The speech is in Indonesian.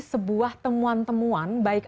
sebuah temuan temuan baik